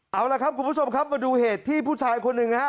เอาละครับคุณผู้ชมดูเหตุที่ผู้ชายคนหนึ่ง